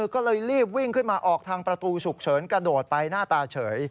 ก็เลยรีบวิ่งขึ้นมาออกทางประตูฉุกเฉินกระโดดไปหน้าตาเฉย